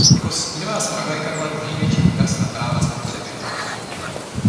Jako stínová zpravodajka kladu největší důraz na práva spotřebitele.